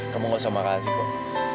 kamu gak usah makasih kok